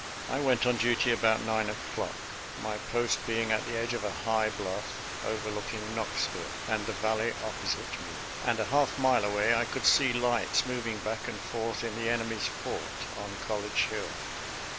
I went on duty about nine o'clock, my post being at the edge of a high bluff overlooking Knoxville and the valley oppo 180 SOLDIER'S LETTERS TO CHARMING NELLIE site me, and a half mile away I could see lights moving back and forth in the enemy's fort on College Hill.